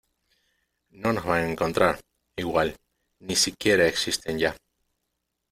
no nos van a encontrar. igual, ni si quiera existen ya .